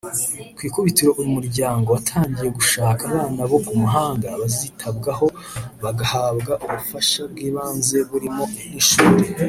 Ku ikubitiro uyu muryango watangiye gushaka abana bo ku muhanda bazitabwaho bagahabwa ubufasha bw’ibanze burimo n’ishuri